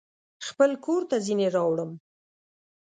خپل کورته ځینې راوړم